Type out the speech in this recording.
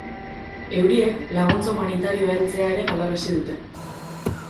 Euriek laguntza humanitarioa heltzea ere galarazi dute.